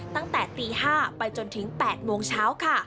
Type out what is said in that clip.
ตั้งแต่ตี๕ไปจนถึง๘โมงเช้าค่ะ